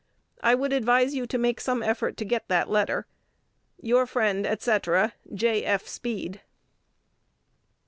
I would advise you to make some effort to get the letter. Your friend, &c., J. F. Speed.